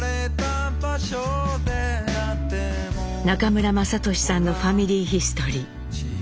中村雅俊さんの「ファミリーヒストリー」。